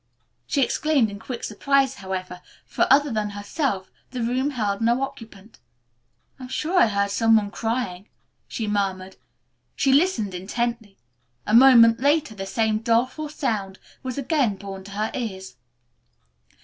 She exclaimed in quick surprise, however, for, other than herself, the room held no occupant. "I'm sure I heard some one crying," she murmured. She listened intently. A moment later the same doleful sound was again borne to her ears.